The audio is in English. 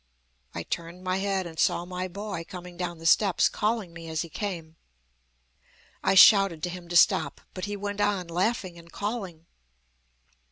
I turned my head and saw my boy coming down the steps, calling me as he came. I shouted to him to stop, but he went on, laughing and calling.